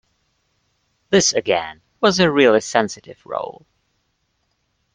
This again was a really sensitive role.